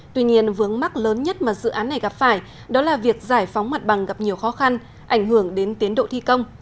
tuy nhiên vướng mắt lớn nhất mà dự án này gặp phải đó là việc giải phóng mặt bằng gặp nhiều khó khăn ảnh hưởng đến tiến độ thi công